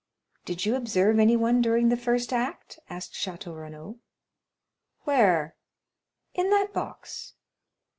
"Did you observe anyone during the first act?" asked Château Renaud. "Where?" "In that box."